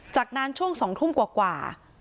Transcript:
จากนั้นช่วง๒ทุ่มกว่า